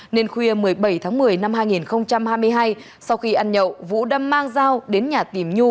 nên khuya một mươi bảy tháng một mươi năm hai nghìn hai mươi hai sau khi ăn nhậu vũ đã mang dao đến nhà tìm nhu